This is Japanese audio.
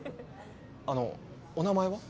あのお名前は？